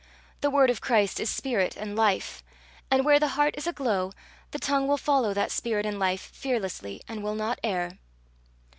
The word of Christ is spirit and life, and where the heart is aglow, the tongue will follow that spirit and life fearlessly, and will not err.